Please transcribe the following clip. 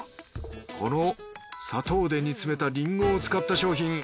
この砂糖で煮詰めたリンゴを使った商品。